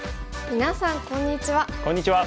みなさんこんにちは。